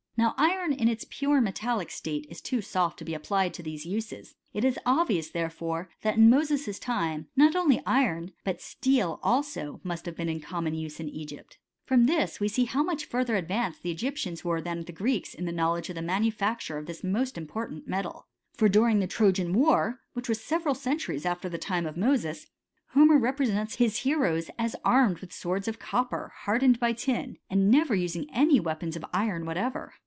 Now iron in its pure metallic state is too soft to be applied to these uses t it is obvious, therefore, that in Moses's time, not only iron but steel also must have been in common use in Egypt. From this we see how much further advanced the Egyptians were than the Greeks in the knowledge of the manufacture of this most important metal : for during the Trojan war, which was several centuries after the time of Moses, Homer represents his heroes as armed with swords of copper, hardened by tin, and as never using any weapons of iron what ever.